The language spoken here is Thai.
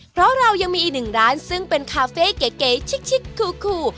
เพราะเรายังมีอีกหนึ่งร้านซึ่งเป็นคาเฟ่เก๋ชิกคู